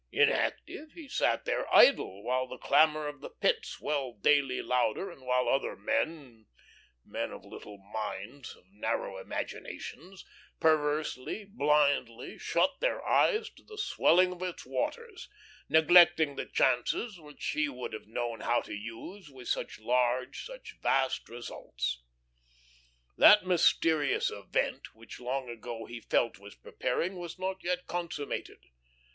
Inactive, he sat there idle while the clamour of the Pit swelled daily louder, and while other men, men of little minds, of narrow imaginations, perversely, blindly shut their eyes to the swelling of its waters, neglecting the chances which he would have known how to use with such large, such vast results. That mysterious event which long ago he felt was preparing, was not yet consummated.